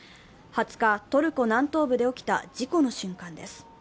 ２０日、トルコ南東部で起きた事故の瞬間です。